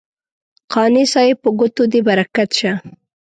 قانع صاحب په ګوتو دې برکت شه.